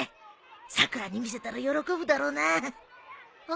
さくらに見せたら喜ぶだろうな。